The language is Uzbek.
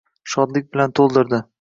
Shodlik bilan to’ldirdi.